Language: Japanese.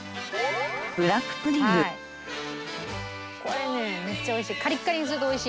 これねめっちゃ美味しい。